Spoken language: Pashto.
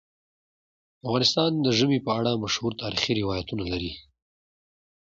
افغانستان د ژمی په اړه مشهور تاریخی روایتونه لري.